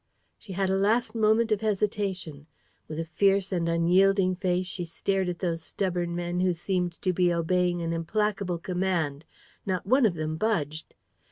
..." She had a last moment of hesitation. With a fierce and unyielding face she stared at those stubborn men who seemed to be obeying an implacable command. Not one of them budged.